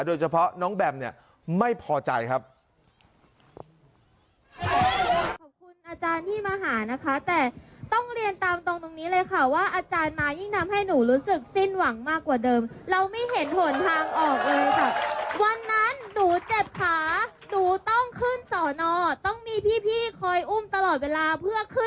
โดยเฉพาะน้องแบมเนี่ยไม่พอใจครับ